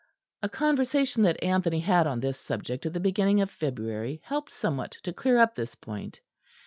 A conversation that Anthony had on this subject at the beginning of February helped somewhat to clear up this point.